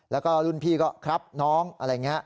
แล้วก็รุ่นพี่ก็ครับน้องอะไรอย่างนี้